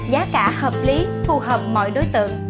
giá cả hợp lý phù hợp mọi đối tượng